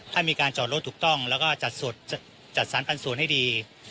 ถ้ามีการจอดรถถูกต้องแล้วก็จัดสรรปันส่วนให้ดี